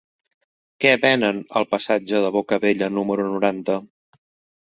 Què venen al passatge de Bocabella número noranta?